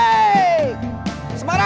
yang pengen di bawahnya